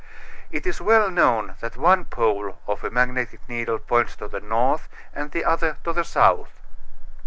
It is well known that one pole of a magnetic needle points to the north and the other to the south.